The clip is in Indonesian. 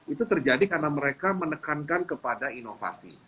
itu terjadi karena mereka menekankan kepada inovasi